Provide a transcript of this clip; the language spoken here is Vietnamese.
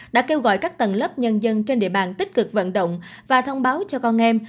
đã kêu gọi các tầng lớp nhân dân trên địa bàn tích cực vận động và thông báo cho con em